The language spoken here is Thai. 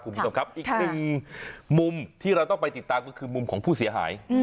คุณผู้ชมครับอีกหนึ่งมุมที่เราต้องไปติดตามก็คือมุมของผู้เสียหาย